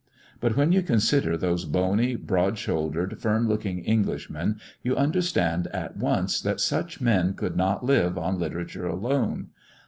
But when you consider those bony, broad shouldered, firm looking Englishmen, you understand at once that such men could not live on literature alone.